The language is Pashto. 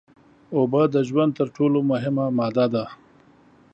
اوبه د ژوند تر ټول مهمه ماده ده